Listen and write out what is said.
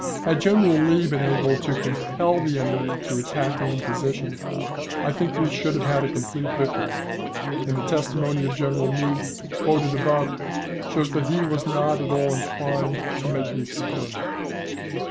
Had General Lee been able to compel the enemy to attack him in position, I think we should have had a complete victory, and the testimony of General Meade quoted above shows that he was not at all inclined to make the experiment.